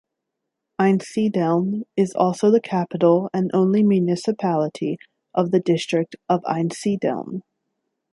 Einsiedeln is also the capital and only municipality of the District of Einsiedeln.